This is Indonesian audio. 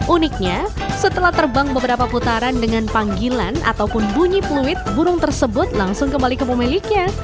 uniknya setelah terbang beberapa putaran dengan panggilan ataupun bunyi fluid burung tersebut langsung kembali ke pemiliknya